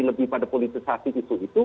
lebih pada politisasi itu